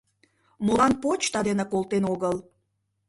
Молан почта дене колтен огыл?